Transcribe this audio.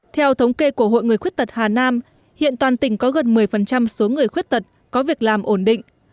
theo thống kê của hội người khuyết tật hà nam hiện toàn tỉnh có gần một mươi số người khuyết tật có việc làm ổn định